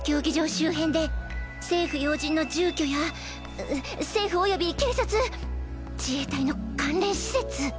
周辺で政府要人の住居や政府及び警察自衛隊の関連施設。